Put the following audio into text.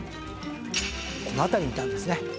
この辺りにいたんですね。